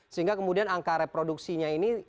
sehingga kemudian angka reproduksinya ini